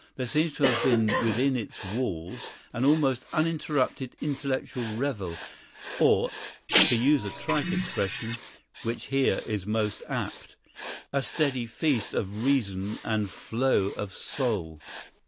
There seems to have been within its walls an almost uninterrupted intellectual revel, or, to use a trite expression, which here is most apt, a steady feast of reason and flow of soul.